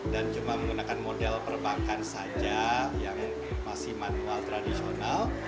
dan cuma menggunakan model perbankan saja yang masih manual tradisional